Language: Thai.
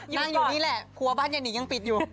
อยู่นี่แหละครัวบ้านยายนิงยังปิดอยู่